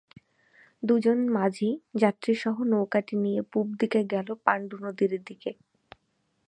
দুজন মাঝি যাত্রীসহ নৌকাটি নিয়ে পুব দিকে গেল পাণ্ডু নদীর দিকে।